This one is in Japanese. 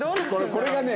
これがね